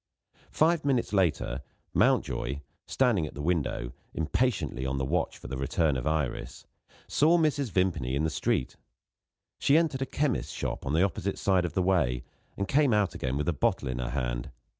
Five minutes later, Mountjoy (standing at the window, impatiently on the watch for the return of Iris) saw Mrs. Vimpany in the street. She entered a chemist's shop, on the opposite side of the way, and came out again with a bottle in her hand.